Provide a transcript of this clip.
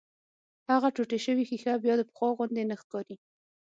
هغه ټوټې شوې ښيښه بيا د پخوا غوندې نه ښکاري.